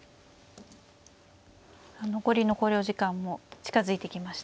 残りの考慮時間も近づいてきましたね。